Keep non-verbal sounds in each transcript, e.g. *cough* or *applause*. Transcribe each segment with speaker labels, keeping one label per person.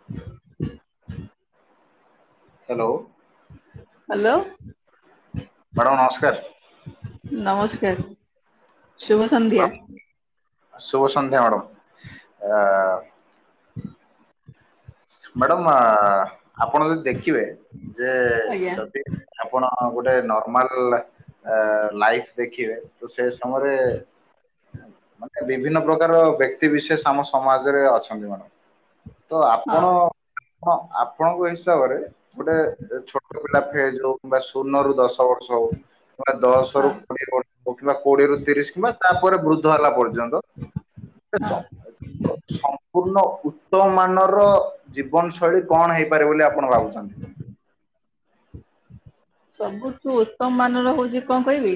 Speaker 1: *inaudible*
Speaker 2: Hello
Speaker 1: hello
Speaker 2: madam ନମସ୍କାର।
Speaker 1: ନମସ୍କାର ଶୁଭ ସନ୍ଧ୍ୟା।
Speaker 2: ଶୁଭସନ୍ଧ୍ୟା ମ୍ୟାଡ଼ାମ ଆଃ ମ୍ୟାଡାମ ଆଃ ଆପଣ ଯଦି ଦେଖିବେ ଯେ
Speaker 1: ଆଜ୍ଞା
Speaker 2: ଯଦି ଆପଣ ଗୋଟେ ନର୍ମାଲ ଲାଇଫ ଦେଖିବେ ତ ସେ ସମୟରେ ମା ବିଭିନ୍ନ ପ୍ରକାର ବ୍ୟକ୍ତି ବିଶେଷ ଆମ ସମାଜରେ ଅଛନ୍ତି ମାଡାମ ତ
Speaker 1: ହଁ
Speaker 2: ଆପଣ ହଁ ଆପଣଙ୍କ ହିସାବରେ ଗୋଟେ ଛୋଟ ପିଲା ଫେଜ ହଉ କିମ୍ବା ଶୂନରୁୁ ଦଶ ବର୍ଷ ହଉ। କି ଦଶ
Speaker 1: ହଁ
Speaker 2: ର କୋଡିଏର୍ କିମ୍ବା କୋଡିଏରୁ ତିରିଶ କିମ୍ବା ତାପରେ ବୃଦ୍ଧ ହେଲା ପର୍ଯ୍ୟନ୍ତ। *inaudible*
Speaker 1: ହଁ
Speaker 2: ସମ୍ପୂର୍ଣ୍ଣ ଉ ତମ ମାନର ଜୀବନ ଶୈଳୀ କଣ ହେଇପାରେ ବୋଲି ଆପଣ ଭାବୁଛନ୍ତି।
Speaker 1: ସବୁଠୁ ଉତ୍ତମ ମାନର ହଉଛି କଣ କହିବି?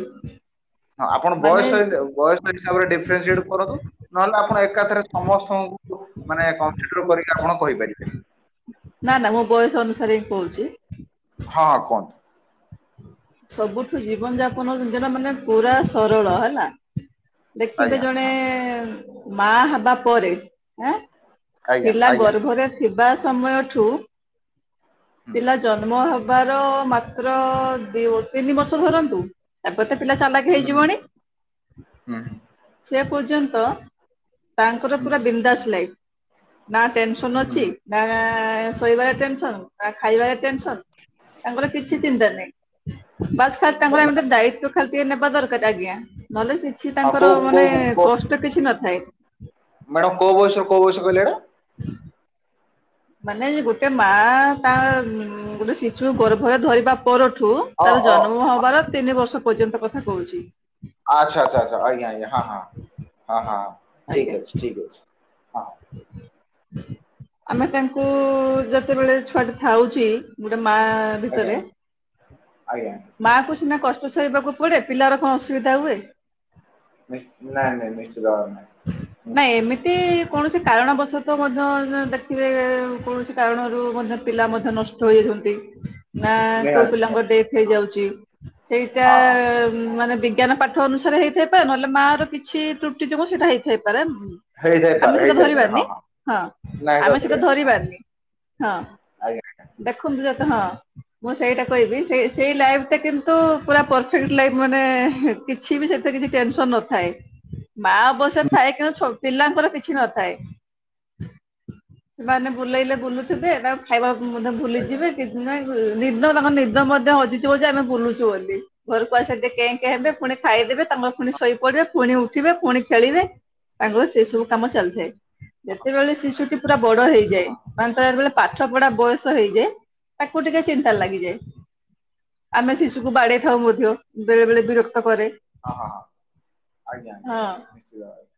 Speaker 2: ହଁ ଆପଣ
Speaker 1: ମାନେ
Speaker 2: ବୟସ ହେଇଯାଉ। ବୟସ ହିସାବରେ ଡିଫରେନ୍ସିଏଟ କରନ୍ତୁ। ନହେଲେ ଆପଣ ଏକାଥରେ ସମସ୍ତଙ୍କୁ ମାନେ କନସିଡର କରିକି ଆପଣ କହିପାରିବେ।
Speaker 1: ନା ନା ମୋ ବୟସ ଅନୁସାରେ ହିଁ କହୁଛି।
Speaker 2: ହଁ ହଁ କୁହନ୍ତୁ।
Speaker 1: ସବୁଠୁ ଜୀବନ ଯାପନ ଜିନିଶଟା ମାନେ ପୁରା ସରଳ ହେଲା। ଦେଖିବେ
Speaker 2: ଆଜ୍ଞା
Speaker 1: ଜଣେ
Speaker 2: ହଁ
Speaker 1: ମା ହେବାପରେ ଆଁ
Speaker 2: ଆଜ୍ଞା
Speaker 1: ପିଲା
Speaker 2: ଆଜ୍ଞା
Speaker 1: ଗର୍ଭରେ ଥିବା ସମୟଠୁ
Speaker 2: ହୁଁ
Speaker 1: ପିଲା ଜନ୍ମ ହେବାର ମାତ୍ର ଦି ବ ତିନି ବର୍ଷ ଧରନ୍ତୁ ଗୋଟେ ପିଲା ଚାଲାକି
Speaker 2: ହୁଁ
Speaker 1: ହେଇଯିବଣୀ।
Speaker 2: ହୁଁ
Speaker 1: ସେ ପର୍ଯ୍ୟନ୍ତ ତାଙ୍କର
Speaker 2: ହୁଁ
Speaker 1: ପୁରା
Speaker 2: ହୁଁ
Speaker 1: ବିନ୍ଦାସ ଲାଇଫ୍। ନା ଟେନସନ
Speaker 2: ହୁଁ
Speaker 1: ଅଛି ନା ଶୋଇବାରେ ଟେନସନ ନା ଖାଇବାରେ ଟେନସନ ତାଙ୍କର କିଛି ଚିନ୍ତା ନାହିଁ। ବାସ ଖାଲି
Speaker 2: ହୁଁ
Speaker 1: ତାଙ୍କର
Speaker 2: ହୁଁ
Speaker 1: ଆମେ ଟିକେ ଦାୟିତ୍ଵ ଖାଲି ଟିକେ ନେବା ଦରକାର ଆଜ୍ଞା। ନହେଲେ ସେ କିଛି ତାଙ୍କର
Speaker 2: କୋଉ
Speaker 1: ମାନେ
Speaker 2: କୋଉ
Speaker 1: କଷ୍ଟ କିଛି ନଥାଏ।
Speaker 2: ମ୍ୟାଡ଼ାମ କୋଉ ବୟସରୁ କୋଉ ବୟସ କହିଁଲେ ଏଇଟା?
Speaker 1: ମାନେ ଗୋଟେ ମା ତା ଗୋଟେ ଶିଶୁ ଗର୍ଭରେ ଧରିବା ପରଠୁ
Speaker 2: ଅ
Speaker 1: ତାର
Speaker 2: ଅ
Speaker 1: ଜନ୍ମ ହବାର ତିନି ବର୍ଷ ପର୍ଯ୍ୟନ୍ତ କଥା କହୁଛି।
Speaker 2: ଆଚ୍ଛା ଆଚ୍ଛା ଆଛା ଆଚ୍ଛା ଆଜ୍ଞା ଆଜ୍ଞା ହଁ ହଁ ହଁ ହଁ
Speaker 1: ଆଜ୍ଞା।
Speaker 2: ଠିକ ଅଛି ଠିକ ଅଛି। ହଁ
Speaker 1: ଆମେ ତାଙ୍କୁ ଯେତେବେଳେ ଛୁଆଟେ ଥାଉଛି ଗୋଟେ ମା
Speaker 2: ଆଜ୍ଞା
Speaker 1: ଭିତରେ
Speaker 2: ଆଜ୍ଞା ଆଜ୍ଞା।
Speaker 1: ମା କୁ ସିନା କଷ୍ଟ ସହିବାକୁ ପଡେ ପିଲାର କଣ ଅସୁବିଧା ହୁଏ।
Speaker 2: ନିଶ୍ଚ୍ ନାଇଁ ନାଇଁ ନିଶ୍ଚିତ ଭାବେ ନାଇଁ।
Speaker 1: ନାଇଁ ଏମିତି କୌଣସି କାରଣବଶତଃ ମଧ୍ୟ ଦେଖିବେ କୌଣସି କାରଣରୁ ମଧ୍ୟ ପିଲା ମଧ୍ୟ ନଷ୍ଟ ହୋଇଯାଉଛନ୍ତି। ନା କୋଉ
Speaker 2: ନିହାତି
Speaker 1: ପିଲାଙ୍କ
Speaker 2: ନିହାତି
Speaker 1: ଡେଥ ହେଇଯାଉଛି। ସେଇଟା
Speaker 2: ହଁ ହଁ
Speaker 1: ମାନେ ବିଜ୍ଞାନ ପା ଠ ଅନୁସାରେ ହେଇଥାଇପାରେ ନହେଲେ ମା ର କିଛି ତ୍ରୁଟି ଯୋଗୁଁ ସେଇଟା ହେଇଥାଇପାରେ
Speaker 2: ହେଇଥାଇପାରେ
Speaker 1: ଆମେ ସେଟା
Speaker 2: ହେଇଥାଇପାରେ
Speaker 1: ଧରିବାନି
Speaker 2: ହଁ
Speaker 1: ହଁ
Speaker 2: ନାଇଁ
Speaker 1: ଆମେ
Speaker 2: ହଁ
Speaker 1: ସେଟା
Speaker 2: ହଁ
Speaker 1: ଧରିବାନି। ହଁ
Speaker 2: ଆଜ୍ଞା।
Speaker 1: ଦେଖନ୍ତୁ ଯେତେ ହଁ। ମୁଁ ସେଇଟା କହିବି ସେ ସେଇ ଲାଇଫଟା କିନ୍ତୁ ପୁରା ପରଫେକ୍ଟ ଲାଇଫ ମାନେ କିଛି ବି ସେଥିରେ କିଛି ଟେନସନ ନଥାଏ ମା ଅବଶ୍ୟ ଥାଏ କିନ୍ତୁ ଛୋ ପିଲାଙ୍କର କିଛି ନଥାଏ ସେମାନେ ବୁଲେଇଲେ ବୁଲୁଥିବେ ତା ଖାଇବା ମଧ୍ୟ
Speaker 2: ଆଜ୍ଞା
Speaker 1: ଭୁଲିଯିବେ କି ନାଇଁ ନିଦ ତାଙ୍କ ନିଦ ମଧ୍ୟ ହଜିଯିବ ଯେ ଆମେ ବୁଲୁଛୁ ବୋଲି। ଘରକୁ ଆସିଲେ ଟିକେ କେଁ କେଁ ହେବେ ପୁଣି ଖାଇଦେବେ ତାଙ୍କର ପୁଣି ଶୋଇପଡିବେ ପୁଣି ଉଠିବେ ପୁଣି ଖେଳିବେ ତାଙ୍କର ସେଇ ସବୁ କାମ ଚାଲିଥାଏ।
Speaker 2: ହଁ
Speaker 1: ଯେତେବେଳେ ଶିଶୁଟି ପୁରା ବଡ ହେଇଯାଏ।
Speaker 2: ହଁ ହଁ
Speaker 1: ତାଙ୍କର ଯେତେବେଳେ ପାଠ ପଢା ବୟସ ହେଇଯାଏ ତାକୁ ଟିକେ ଚିନ୍ତା ଲାଗିଯାଏ ଆମେ ଶିସ୍ କୁ ବାଡେଇ
Speaker 2: ହୁଁ ହୁଁ
Speaker 1: ଥାଉ
Speaker 2: ହୁଁ
Speaker 1: ମଧ୍ୟ ବେଳେ ବେଳେ ବିରକ୍ତ କରେ।
Speaker 2: ହଁ ହଁ ହଁ ଆଜ୍ଞା ଆଜ୍ଞାା ନିଶ୍ଚିତ ଭାବରେ।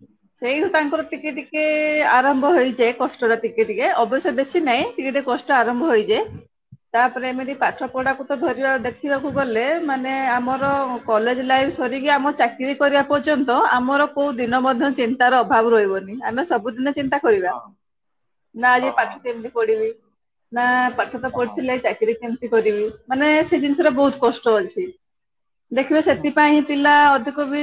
Speaker 1: ହଁ *unintelligible* ସେଇଠୁ ତାଙ୍କର ଟିକେ ଟିକେ ଆରମ୍ଭ ହେଇଯାଏ କଷ୍ଟ ଟା ଟିକେ ଟିକେ ଅବଶ୍ୟ ବେଶୀ ନାହିଁ। ଟିକେ ଟିକେ କଷ୍ଟ ଷ୍ଟ ଆରମ୍ଭ ହେଇଯାଏ। ତାପରେ ଏମିତି ପାଠ ପଢାକୁ ଧରିବା ଦେଖିବାକୁ ଗଲେ ମାନେ ଆମର କଲେଜ ଲାଇଫ୍ ସରିକି ଆମ ଚା କିରି କରିବା ପର୍ଯ୍ୟନ୍ତ ଆମର କେଉଁ ଦିନ ମଧ୍ୟ ଚିନ୍ତାର ଅଭାବ ରହିବନି। ଆମେ ସବୁଦିନେ ଚିନ୍ତା କରିବା
Speaker 2: ହଁ
Speaker 1: ନା
Speaker 2: ହଁ
Speaker 1: ଆଜି
Speaker 2: ହଁ
Speaker 1: ପାଠ କେମିତି ପଢିବି ନା ପା ଠତ
Speaker 2: ହଁ ହଁ
Speaker 1: ପଢିଥିଲେ ଚାକିରି କେମିତି କରିବି। ମାନେ ସେ ଜିନିଷରେ
Speaker 2: ହୁଁ
Speaker 1: ବହୁତ କଷ୍ଟ ଅଛି। ଦେଖିବେ
Speaker 2: ହୁଁ ହୁଁ ହୁଁ
Speaker 1: ସେଥିପାଇଁ ପିଲା ଅଧିକ ବି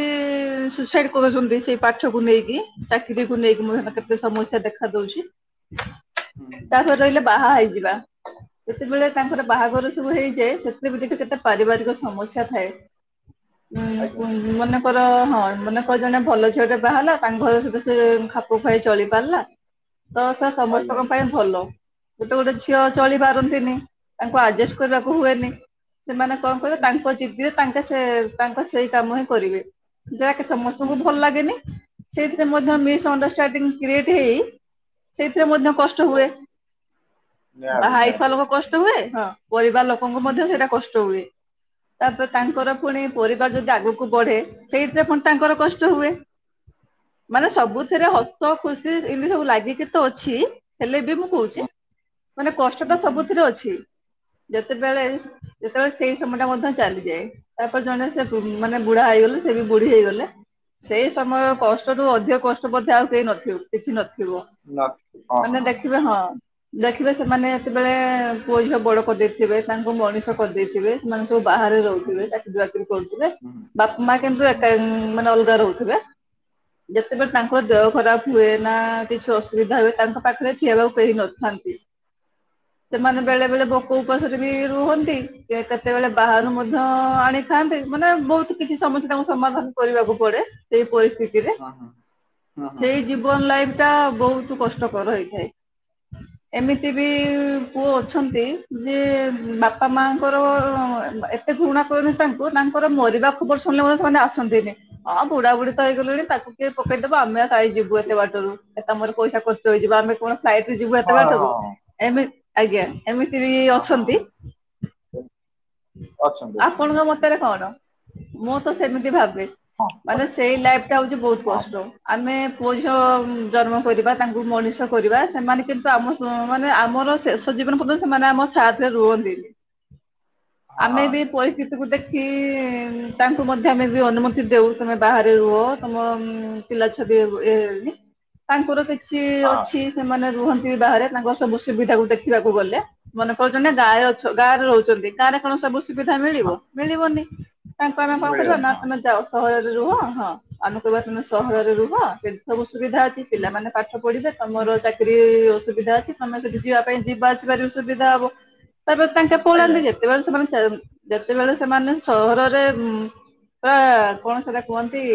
Speaker 1: ସୁଇସାଇଡ କରୁଛନ୍ତି ସେଇ ପାଠକୁ ନେଇକି। ଚାକିରିକୁ ନେଇକି ମୁ *unintelligible* କେତେ ସମସ୍ୟା ଦେଖାଦଉଛି।
Speaker 2: ହୁଁ
Speaker 1: ତାପରେ
Speaker 2: ହୁଁ ହୁଁ
Speaker 1: ରହିଲେ
Speaker 2: ହୁଁ
Speaker 1: ବାହା ହେଇଯିବା। ଯେତେବେଳେ ତାଙ୍କର ବାହାଘର ସବୁ ହେଇଯାଏ ସେଥିରେ ବି ଦେଖିବ କେତେ ପାରିବାରିକ ସମସ୍ୟା ଥାଏ ଉ
Speaker 2: ଆଜ୍ଞା
Speaker 1: ଉଁ ମାନେ ଙ୍କର ହଁ ମାନେ କର ଜଣେ ଭଲ ଝିଅ ଟେ ବାହାହେଲା ତାଙ୍କ ଘର ସହିତ ସେ ଖାପ ଖୁଆଇ ଚଳି ପାରିଲା। ତ ସେ
Speaker 2: ଆଜ୍ଞା
Speaker 1: ସମସ୍ତଙ୍କ ପାଇଁ ଭଲ। ଗୋଟେ ଗୋଟେ ଝିଅ
Speaker 2: ହୁଁ
Speaker 1: ଚଳି
Speaker 2: ହୁଁ
Speaker 1: ପାରନ୍ତିନି ତାଙ୍କୁ ଆଡଜେଷ୍ଟ କରିବାକୁ ହୁଏନି, ସେମାନେ କଣ କହିବେ ତାଙ୍କ ଜିଦ ରେ ତାଙ୍କେ ସେ ତାଙ୍କ ସେଇ କାମ ହିଁ କରିବେ। ଯାଆକେ ସମ
Speaker 2: ହୁଁ
Speaker 1: ତଙ୍କୁ
Speaker 2: ହୁଁ ହୁଁ
Speaker 1: ଭଲ ଲାଗେନି ସେଇଥିରେ ମଧ୍ୟ
Speaker 2: ହୁଁ ହୁଁ
Speaker 1: ମିସ୍-ଅଣ୍ଡରଷ୍ଟାଣ୍ଡିଂ କ୍ରିଏଟ ହେଇ ସେଇଥିରେ ମଧ୍ୟ କଷ୍ଟ
Speaker 2: ନିଶ୍ଚିତ
Speaker 1: ହୁଏ
Speaker 2: ନିହାତି
Speaker 1: ବାହା ହେଇଥିବା
Speaker 2: ନିହାତି ହୁଁ
Speaker 1: ଲୋକ କଷ୍ଟ ହୁଏ। ହଁ ପରିବାର ଲୋକଙ୍କୁ ମଧ୍ୟ ସେଇଟା କଷ୍ଟ ହୁଏ। ତାପରେ
Speaker 2: ହୁଁ ହୁଁ
Speaker 1: ତାଙ୍କର ପୁଣି ପରିବାର ଯଦି ଆଗକୁ ବଢେ ସେଇଥିରେ ପୁଣି ତାଙ୍କର କଷ୍ଟ ହୁଏ। ମାନେ
Speaker 2: ହୁଁ ହୁଁ ହୁଁ ହୁଁ ହୁଁ ହୁଁ ହୁଁ ହଁ
Speaker 1: ସବୁଥିରେ ହସ ତ ଖୁସି ଏମିତି ସବୁ ଲାଗିକି ତ ଅଛି। ହେଲେ ବି ମୁଁ କହୁଛି। ମାନେ କଷ୍ଟ ଟା
Speaker 2: ହଁ
Speaker 1: ସବୁଥିରେ ଅଛି। ଯେତେବେଳେ ଯେତେବେଳେ ସେଇ ସମୟ ଟା ମଧ୍ୟ ଚାଲିଯାଏ। ତାପରେ ଜଣେ ସେ ମାନେ ବୁଢା ହେଇଗଲେ ସେ ବି ବୁଢୀ ହେଇଗଲେ। ସେଇ ସମୟ କଷ୍ଟରୁୁ ଅଧିକ କଷ୍ଟ ମଧ୍ୟ ଆଉ କେହି ନଥିବ କିଛି ନଥିବ। ମାନେ ଦେଖିବେ ହଁ। ଦେଖିବେ ସେମାନେ ଯେତେବେଳେ ପୁଅ ଝିଅ ବଡ କରିଦେଇଥିବେ ତାଙ୍କୁ ମଣିଷ କରିଦେଇଥିବେ ସେମାନେ ସବୁ ବାହାରେ ର
Speaker 2: ହୁଁ ହୁଁ
Speaker 1: ଚାକିରୀ ବାକିରି କରୁଥିବେ ବାପା ମା କିନ୍ତୁ ଏକା ମାନେ ଅଲଗା ରହୁଥିବେ। ଯେତେବେଳେ ତାଙ୍କ ଦେହ ଖରାପ ହୁଏ ନା କିଛି ଅସୁବିଧା ହୁଏ ତାଙ୍କ ପାଖରେ ଥବାକୁ କେହି ନଥାନ୍ତି। ସେମାନେ ବେଳେ ବେଳେ ଭୋକ ଉପାସରେ ବି ରୁହନ୍ତି। କେତେବେଳେ ବାହାରୁ ମଧ୍ୟ ଆଣିଥାନ୍ତି। ମାନେ ବହୁତ କିଛି ସମସ୍ୟା ତାଙ୍କୁ ସମାଧାନ କରିବାକୁ ପଡେ ସେଇ ପରିସ୍ଥିତିରେ ସେଇ ଜୀବନ ଲାଇଫ ଟା ବହୁତ କଷ୍ଟକର ହେଇଥାଏ।
Speaker 2: *unintelligible*
Speaker 1: ଏମିତି ବି ପୁଅ ଅଛନ୍ତି। ଯେ ବାପା ମାଙ୍କର ଏ ସେ ଘୃଣା କରନ୍ତି ତାଙ୍କୁ ତାଙ୍କର ମରିବା ଖବର ଶୁଣିଲେ ମଧ୍ୟ ସେମାନେ ଆସନ୍ତିନି। ହଁ ବୁଢା ବୁଢୀ ତ ହେଇଗଲେଣି ତାକୁ କିଏ ପକେଇଦବ ଆମେ କାଇଁ ଯିବୁ ଏତେ ବାଟରୁ ଆମର ପଇସା ଖର୍ଚ୍ଚ ହେଇଯିବ ଆମେ କଣ ଫ୍ଲାଇଟ ରେ ଯିବୁ ଏତେ
Speaker 2: ହଁ, ହଁ, ହଁ, ହଁ, ହଁ,
Speaker 1: ବାଟରୁ।
Speaker 2: ହଁ।
Speaker 1: ଏମତି ଆଜ୍ଞା ଏମିତି ବି
Speaker 2: ହଁ ହଁ ହଁ ହଁ
Speaker 1: ଅଛନ୍ତି।
Speaker 2: ହଁ ଅଛନ୍ତି
Speaker 1: *inaudible*
Speaker 2: ଅଛନ୍ତି
Speaker 1: ଆପଣଙ୍କ
Speaker 2: ହଁ
Speaker 1: ମତରେ କଣ? ମୁଁ ତ ସେମିତି ଭାବେ
Speaker 2: ହଁ
Speaker 1: ମାନେ
Speaker 2: ବଢ଼ିଆ
Speaker 1: ସେଇ ଲାଇଫଟା ହଉଛି ବହୁତ
Speaker 2: ହଁ
Speaker 1: କଷ୍ଟ। ଆମେ ପୁଅଝିଅ ଜନ୍ମ କରିବା, ତାଙ୍କୁ ମଣିଷ କରିବା, ସେମାନେ କିନ୍ତୁ ଆମ ସ ତ ମାନେ ଆମର ଶେଷ ଜୀବନ ପଯ୍ୟନ୍ତ ସେମାନେ ଆମ ସାଥରେ ରୁହନ୍ତିନି।
Speaker 2: *unintelligible*
Speaker 1: ଆମେ ବି
Speaker 2: ହଁ
Speaker 1: ପରିସ୍ଥିତିକୁ ଦେଖି ତାଙ୍କୁ ମଧ୍ୟ ଆମେ ବି ଅନୁମତି ଦେଉ। ତମେ ବାହାରେ ରୁହ ତମ ପିଲା ଛୁଆବି ଏ ତାଙ୍କର କିଛି
Speaker 2: ହଁ
Speaker 1: ଅଛି ସେମାନେ ରୁହନ୍ତି ବି ବାହାରେ ତାଙ୍କର ସବୁ ସୁବିଧା କୁ ଦେଖିବାକୁ ଗଲେ। ମନେ କହୁଛନ୍ତି ନା ଗାଁରେ ଅଛ ଗାଁ ରେ ରହୁଛନ୍ତି ଗାଁରେ କଣ ସବୁ ସୁ ସୁବିଧା ମିଳିବ
Speaker 2: ହଁ
Speaker 1: ମିଳିବନି ତାଙ୍କୁ ଆମେ କଁ କରିବା
Speaker 2: ମିଳିଗଲି
Speaker 1: ନା
Speaker 2: ହଁ
Speaker 1: ତମେ ଯାଓ ସହରରେ ରୁହ। ହଁ ଆମେ କହିବା ତମେ ସହରରେ ରୁହ। ସେଠି ସବୁ ସୁବିଧା ଅଛି
Speaker 2: ହୁଁ,
Speaker 1: ପିଲାମାନେ ପାଠ ପଢିବେ
Speaker 2: ହୁଁ।
Speaker 1: ତମର ଚା କିରି ଅସୁବିଧା ଅଛି ତମେ ସେଠି ଯିବା ପାଇଁ ଯିବା ଆସିବାରେବି ସୁବିଧା ହବ। ତାପରେ ତାଙ୍କେ
Speaker 2: ଆଜ୍ଞା
Speaker 1: ପଳାନ୍ତି ଯେ।
Speaker 2: ଆଜ୍ଞା
Speaker 1: ଯେବେଳେ ସେମାନେ *unintelligible* ଯେତେବେଳେ ସେମାନେ ସହରରେ ଉଁ ଆ କଣ ସେଟା କୁହନ୍ତି,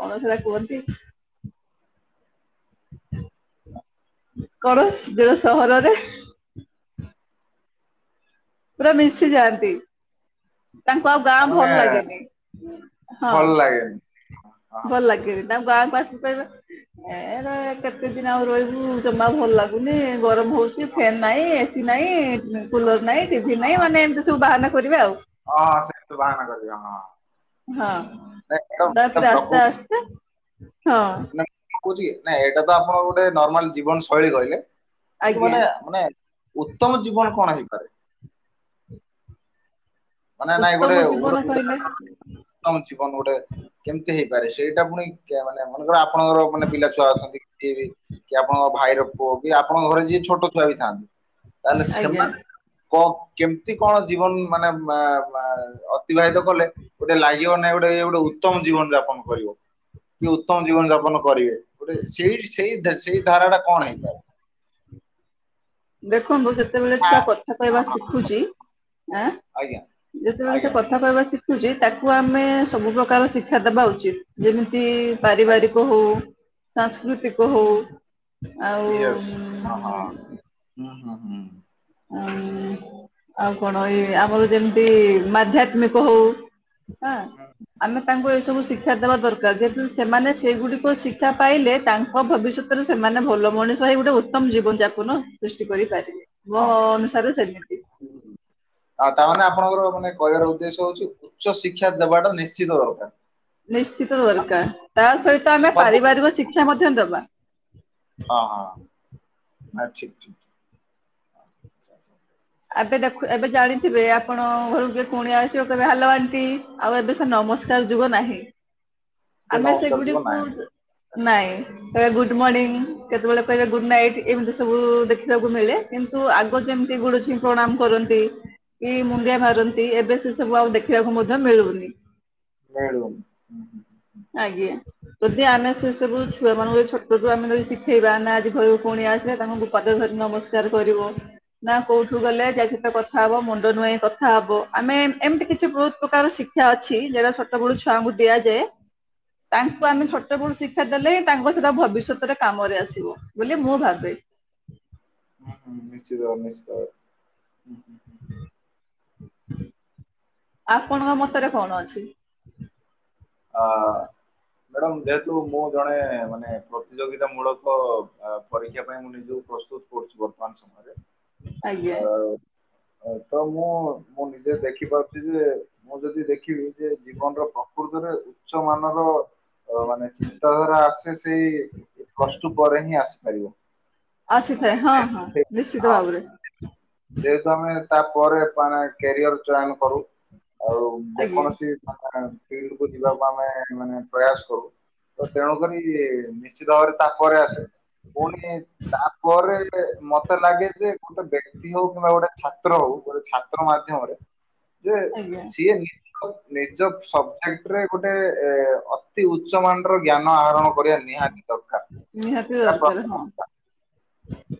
Speaker 1: କଣ ସେଟା କୁହନ୍ତି? *inaudible* କଣ ଯୋଉ ସହରରେ ପୁରା ମିଶିଯାଆନ୍ତି, ତାଙ୍କୁ ଆଉ ଗାଁ
Speaker 2: ମାନେ
Speaker 1: ଭଲ୍ ଲାଗେନି। ହଁ
Speaker 2: ଭଲ ଲାଗେନି ହଁ
Speaker 1: ଭଲ୍ ଲାଗେନି ତାଙ୍କୁ ଗାଁକୁ ଆସି ଲେ ଏରେ କେତେ ଦିନ୍ ଆଉ ରହିବୁ ଜମା ଭଲ୍ ଲା ଲୁନି ଗରମ ହଉଚି ଫ୍ୟାନ୍ ନାଇଁ, ଏସି ନାଇଁ, କୁଲର ନାଇଁ, ଟିଭି
Speaker 2: ହଁ
Speaker 1: ନାଇଁ
Speaker 2: ହଁ
Speaker 1: ମାନେ ଏମିତି ସବୁ ବାହାନା କରିବେ ଆଉ।
Speaker 2: ହଁ ସେମିତି ବାହାନା କରିବେ ହଁ।
Speaker 1: ହଁ
Speaker 2: ହୁଁ। ନାଇଁ ଏଇଟା ମାନେ
Speaker 1: ତାପରେ ଆସ୍ତେ ଆସ୍ତେ, ହଁ
Speaker 2: *inaudible* କହୁଚିକି ନା ଏଇଟା ତ ଆପଣ ଗୋଟେ ନର୍ମାଲ ଜୀବନ ଶୈଳୀ କହିଲେ। କିନ୍ତୁ
Speaker 1: ଆଜ୍ଞା
Speaker 2: ଗୋଟେ ମାନେ ଉତ୍ତମ ଜୀବନ କଣ ହେଇପାରେ? ମାନେ ନାଇଁ ଗୋଟେ
Speaker 1: ଉତ୍ତମ
Speaker 2: ଗୋଟେ
Speaker 1: ଜୀବନ କହିଲେ
Speaker 2: ଉଦାହରଣ। *unintelligible* ଜୀବନ ଗୋଟେ କେମିତି ହେଇପାରେ ସେଇଟା ପୁଣି ଖିଆ ମାନେ ମନେକର ଆ ପଣଙ୍କର ମାନେ ପିଲା ଛୁଆ ଅଛନ୍ତି। କି କି ଆପଣଙ୍କ ଭାଇର ପୁଅ କି ଆପଣଙ୍କ ଘରେ ଯିଏ ଛୋଟ ଛୁଆ ବି ଥାନ୍ତି। ତାହେଲେ
Speaker 1: ଆଜ୍ଞା
Speaker 2: ସେମାନେ କ କେମିତି କଣ ଜୀବନ ମାନେ ମେ ମେ ଅତିବାହିତ କଲେ ଗୋଟେ ଲାଗିବ ନାଇଁ ଏଇ ଗୋଟେ ଉତ୍ତମ ଜୀବନ ଯାପନ କରିବ। କି ଉତ୍ତମ ଜୀବନ ଯାପନ କରିବେ ଗୋଟେ ସେଇ ସେଇ ଦା ସେଇ ଧାରା ଟା କଣ ହେଇପାରେ?
Speaker 1: ଦେଖନ୍ତୁ ସେ ଯେତେବେଳେ
Speaker 2: ହଁ
Speaker 1: ଛୁଆ କଥା କହିବା
Speaker 2: ହଁ ହଁ
Speaker 1: ଶିଖୁଛି, ଆ
Speaker 2: ଆଜ୍ଞା
Speaker 1: ଯେତେବେଳେ ସେ
Speaker 2: ଆଜ୍ଞା
Speaker 1: କଥା କହିବା ଶି ଖୁଚି ତାକୁ ଆମେ ସବୁ ପ୍ରକାର ଶିକ୍ଷା ଦେବା ଉଚିତ ଯେମିତି
Speaker 2: ଆଜ୍ଞା
Speaker 1: ପାରିବାରିକ ହଉ ସାଂସ୍କୃତିକ ହଉ
Speaker 2: ୟେସ୍
Speaker 1: ଆଉ
Speaker 2: ହଁ ହଁ ହଁ ହଁ
Speaker 1: ଆ ଉଁ ଆଉ କଣ ଏଇ ଆମର ଯେମିତି ମାଧ୍ୟାତ୍ମିକ ହଉ। ଆଁ ଆମେ ତାଙ୍କୁ ଏସବୁ ଶିଖ କ୍ଷା ଦେବା ଦରକାର ଯେହେତୁ ସେମାନେ ସେଗୁଡ଼ିକ ଶିକ୍ଷା ପାଇଲେ ତାଙ୍କ ଭବିଷ୍ୟତରେ ସେମାନେ ଭଲ ମଣିଷ ହେଇ ଗୋଟେ ଉ ତ୍ତମ୍ ଜୀବନ ଯାପନ ସୃଷ୍ଟି କରିପାରିବେ ମୋ
Speaker 2: ହୁଁ
Speaker 1: ଅନୁସାରେ ସେମିତି।
Speaker 2: ଆଉ ତାମାନେ ଆପଣଙ୍କର ମାନେ କହିବାର ଉଦ୍ଦେଶ୍ୟ ହଉଚି ଉଚ୍ଚ ଶିକ୍ଷା ଦବାଟା ନିଶ୍ଚିତ ଦରକାର।
Speaker 1: ନିଶ୍ଚିତ ଦରକାର, ତା ସହିତ ଆମେ
Speaker 2: ସବୁ
Speaker 1: ପାରିବାରିକ ଶିକ୍ଷା ମଧ୍ୟ ଦବା।
Speaker 2: ହଁ ହଁ ନା ଠିକ୍ ଠିକ୍। *inaudible*
Speaker 1: ଆବେ ଦେଖୁ ଏବେ ଜାଣିଥିବେ ଆ ପଣଙ୍କ ଘରୁକୁ କିଏ କୁଣିଆ ଆସିବେ କଇବେ ହ୍ୟାଲୋ ଆଣ୍ଟି, ଆଉ ଏବେ ସେ ନମସ୍କାର ଯୁଗ ନାହିଁ।
Speaker 2: ସେ
Speaker 1: ଆମେ
Speaker 2: ନମସ୍କାର ଯୁଗ
Speaker 1: ସେଗୁଡିକୁ
Speaker 2: ନାଇ।
Speaker 1: ନାଇଁ କେତବେଳେ ଗୁଡ
Speaker 2: ହୁଁ,
Speaker 1: ମର୍ଣ୍ଣିଂ କେତବେଳେ କହିବେ ଗୁଡ ନାଇଟ୍ ଏମିତି ସବୁ ଦେଖିବାକୁ ମିଳେ କିନ୍ତୁ ଆଗ ଯେମିତି ଗୁଡୁଛି ପ୍ରଣାମ କରନ୍ତି କି ମୁଣ୍ଡିିଆ
Speaker 2: ହୁଁ, ହୁଁ,
Speaker 1: ମାରନ୍ତି ଏବେ ସେସବୁ ଆଉ ଦେଖିବାକୁ ମଧ୍ୟ ମିଳୁନି।
Speaker 2: ହୁଁ ହୁଁ
Speaker 1: ଆଜ୍ଞା, ଯଦି ଆମେ ସେ ସବୁ
Speaker 2: ହୁଁ,
Speaker 1: ଛୁଆ ମାନଙ୍କୁ ଛୋଟ ପୂର୍ବୁରୁ ଆମେ ଯଦି ଶିଖେଇବା ନା ଆଜି ଘରୁକୁ କୁଣିଆ ଆସିବେ ତାଙ୍କୁ ତୁ ପାଦ ଧରି ନମସ୍କାର କରିବ। ନା କୋଉଠୁ ଗଲେ ଯାଇଛତ କ ଥା ହବ ମୁଣ୍ଡ ନୁହାଁଇ କଥା ହବ, ଆମେ ଏମିତି କିଛି ବହୁତ୍ ପ୍ରକାର ଶିକ୍ଷା ଅଛି। ଯୋଉ ସେ ଛୋଟ ବେଳୁ ଛୁଆଙ୍କୁ ଦିଆଯାଏ।
Speaker 2: ହୁଁ,
Speaker 1: ତାଙ୍କୁ ଆମେ
Speaker 2: ହୁଁ,
Speaker 1: ଛୋଟ ବେଳୁ ଶିକ୍ଷା ଦେଲେ ହିଁ ତାଙ୍କ ସେଟା ଭବିଷ୍ୟତରେ କାମରେ ଆସିବ ବୋଲି ମୁଁ ଭାବେ।
Speaker 2: ହୁଁ ହୁଁ ନିଶ୍ଚିତ ଆ ନିଶ୍ଚିତ ହୁଁ ହୁଁ
Speaker 1: *inaudible* ଆପଣଙ୍କ
Speaker 2: ଠିକ
Speaker 1: ମତରେ
Speaker 2: କଥା।
Speaker 1: କଣ ଅଛି।
Speaker 2: ଆ ମ୍ୟାଡ଼ାମ ଯେହେତୁ ମୁଁ ଜଣେ ମାନେ ପ୍ରତିଯୋଗୀ ମୂଳକ ପରୀକ୍ଷା ପାଇଁ ମୁଁ ନିଜକୁ ପ୍ରସ୍ତୁତ କରୁଛି ବର୍ତ୍ତମାନ ସମୟରେ
Speaker 1: ଆଜ୍ଞା
Speaker 2: ଅ ତ ମୁଁ ମୁଁ ନିଜେ ଦେଖିପାରୁଛି ଯେ ମୁଁ ଯଦି ଦେଖିବି ଯେ ଜୀବନର ପ୍ରକୃତରେ ଉଚ୍ଚ ମାନର ତ ମାନେ ଚିନ୍ତାଧାରା ଆସେ ସେଇ ପ୍ଲସ ଟୁ ପରେ ହିଁ ଆସିପାରିବ। ମାନେ
Speaker 1: ଆସିଥାଏ ହଁ
Speaker 2: ଯେହେତୁ
Speaker 1: ହଁ
Speaker 2: ସେ-
Speaker 1: ନିଶ୍ଚିତ
Speaker 2: ହଁ
Speaker 1: ଭାବରେ।
Speaker 2: ଯେହେତୁ ଆମେ ତା ପରେ ମାନେ କ୍ୟାରିଅର ଚୟନ କରୁ। ଆଉ
Speaker 1: ଆଜ୍ଞା।
Speaker 2: ଯେକୌଣସି ଫିଲ୍ଡ କୁ ଯିବାକୁ ଆମେ ମାନେ ପ୍ରୟାସ କରୁ। ତ ତେଣୁକରି ନିଶ୍ଚିତ ଭାବରେ ତାପରେ ଆସେ। ପୁଣି ତାପରେ ମତେ ଲାଗେ ଯେ ଗୋଟେ ବେ ହଉ କିମ୍ବା ଗୋଟେ ଛାତ୍ର ହଉ ଗୋଟେ ଛାତ୍ର ମାଧ୍ୟମରେ ଯେ
Speaker 1: ଆଜ୍ଞା
Speaker 2: ସିଏ ନି ନିଜ ସବଜେକ୍ଟ ରେ ଗୋଟେ ଅତି ଉଚ୍ଚ ମାନ୍ ର ଜ୍ଞାନ ଆହରଣ କରିବା ନିହାତି
Speaker 1: ନିହାତି
Speaker 2: ଦରକାର।
Speaker 1: ଦରକାର
Speaker 2: ଏଟା
Speaker 1: ହଁ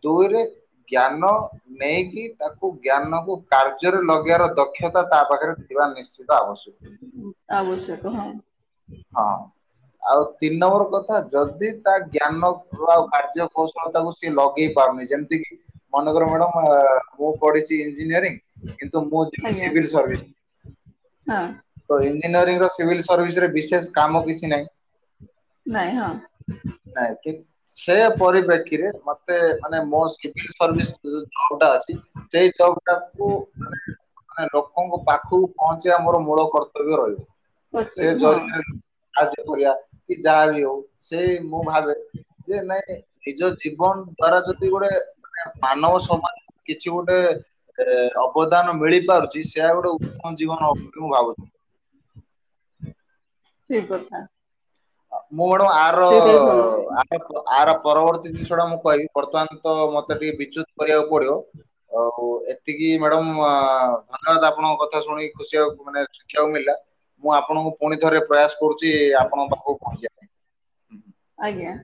Speaker 2: ଦୁଇରେ ଜ୍ଞାନ ନେଇକି ତାକୁ ଜ୍ଞାନକୁ କାର୍ଯ୍ୟରେ ଲଗେଇର ଦକ୍ଷତା ତା ପାଖରେ ଥିବା ନିଶ୍ଚି ସେତ ଅବଶ୍ୟକ।
Speaker 1: ଆବଶ୍ୟକ ହଁ
Speaker 2: ହଁ ଆଉ ତିନି ନମ୍ବର କ ଯଦି ତା ଜ୍ଞାନ ଆଉ କାର୍ଯ୍ୟ କୌଶଳ ତାକୁ ସିଏ ଲଗେଇ ପାରୁନି ଯେମିତି କିି ମନେକର ମ୍ୟାଡ଼ମ୍ ପଢିଛି ଇଞ୍ଜିନିୟରିଂ କିନ୍ତୁ ମୁଁ ଯିବି
Speaker 1: ଆଜ୍ଞା।
Speaker 2: ସିଭିଲ୍ ସର୍ଭିସ୍
Speaker 1: ହଁ
Speaker 2: ତ ଇଞ୍ଜିନିୟରିଂ ର ସିଭିଲ ସର୍ଭିସ ରେ ବିଶେଷ କାମ କିଛି ନାହିଁ।
Speaker 1: ନାଇଁ ହଁ
Speaker 2: ନାଇଁ ଠିକ୍। ସେ ପରିପ୍ରେକ୍ଷୀରେ ମତେ ମାନେ ମୋ ସିଭିଲ୍ ସର୍ଭିସ୍ ଯଉଟା ଅଛି। ସେଇ ଜବ ଟାକୁ ମାନେ ମାନେ ଲୋକଙ୍କ ପାଖକୁ ପହଞ୍ଚିବା ଆମର ମୂଳ କର୍ତ୍ତବ୍ୟ ରହିବ। ସେ
Speaker 1: କରିପାରିବି ହଁ
Speaker 2: ଜରିଆରେ କାର୍ଯ୍ୟ କରିବା କି ଯାହା ବି ହଉ ସେ ମୁଁ ଭାବେ ଯେ ନାଇଁ ନିଜ ଜୀବନ ଦ୍ଵାରା ଯଦି ଗୋଟେ ମାନେ ମାନବ ସମା କିଛି ଗୋଟେ ଅବଦାନ ମିଳିପାରୁଛି ସେଆ ଗୋଟେ ଉତ୍ତମ ଜୀବନ ହବ ବୋଲି ମୁଁ ଭାବୁଛି।
Speaker 1: ଠିକ୍ କଥା।
Speaker 2: ମୁଁ ମାଡାମ ଆର
Speaker 1: ସେଇଟା ବି ଭଲ
Speaker 2: ଆର ପରବର୍ତ୍ତୀ ଜିନିଷଟା ମୁଁ କହିବି ବର୍ତ୍ତମାନ ତ ମତେ ଟିକେ ବିଚ୍ୟୁତ କରିବାକୁ ପଡିବ। ଆଉ ଏ ତିକି ମ୍ୟାଡାମ ଧନ୍ୟବାଦ ଆପଣଙ୍କ କଥା ଶୁଣିକି ଖୁସି ହେଆକୁ ମାନେ ଶିଖିବାକୁ ମିଳିଲା। ମୁଁ ଆପଣଙ୍କୁ ପୁଣି ଥରେ ପ୍ରୟାସ କରୁଛି ଆପଣଙ୍କ ପାଖକୁ ପହଞ୍ଚିବା ପାଇଁ।
Speaker 1: ଆଜ୍ଞା